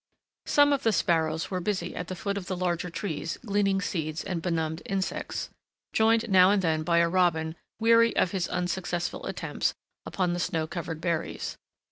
Some of the sparrows were busy at the feet of the larger trees gleaning seeds and benumbed insects, joined now and then by a robin weary of his unsuccessful attempts upon the snow covered berries.